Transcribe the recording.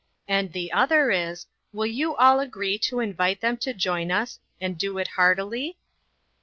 And the other is : Will you all agree to invite them to join us, and do it heartily